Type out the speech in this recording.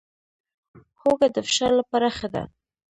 هوږه د فشار لپاره ښه ده